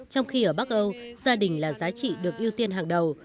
trong khi ở bắc âu gia đình là giá trị được ưu tiên hàng đầu